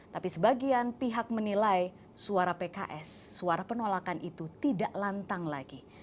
tapi sebagian pihak menilai suara pks suara penolakan itu tidak lantang lagi